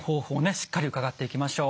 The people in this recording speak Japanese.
しっかり伺っていきましょう。